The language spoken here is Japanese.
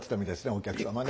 お客様ね。